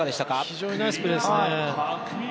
非常にナイスプレーですね。